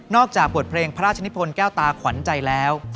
จากบทเพลงพระราชนิพลแก้วตาขวัญใจแล้ว